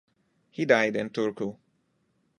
He died in Turku.